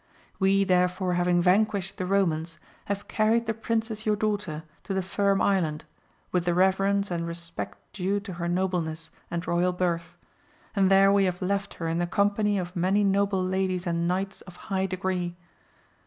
We therefore having vanquished the Romans, have carried the princess your daughter to the Firm Island, with the reverence and respect due to her nobleness and royal birth, and there we have left her in the company of many noble ladies and knights of high degree.